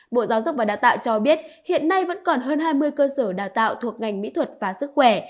bộ giáo dục và đào tạo cho biết hiện nay vẫn còn hơn hai mươi cơ sở đào tạo thuộc ngành mỹ thuật và sức khỏe